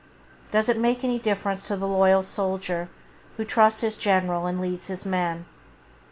Does it make any difference to the loyal soldier who trusts his general and leads his men